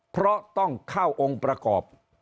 เพราะต้องเข้าองค์ประกอบ